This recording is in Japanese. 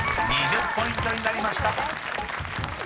２０ポイントになりました］